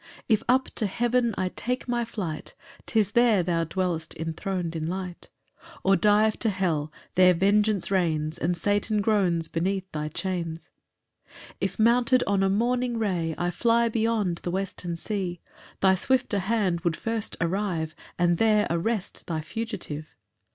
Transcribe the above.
7 If up to heaven I take my flight, 'Tis there thou dwell'st enthron'd in light; Or dive to hell, there vengeance reigns, And Satan groans beneath thy chains. 8 If mounted on a morning ray, I fly beyond the western sea, Thy swifter hand would first arrive, And there arrest thy fugitive.